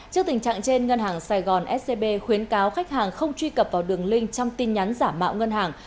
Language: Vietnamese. trước tình trạng trên ngân hàng sài gòn scb khuyến cáo khách hàng không truy cập vào đường link trong tin nhắn giả mạo ngân hàng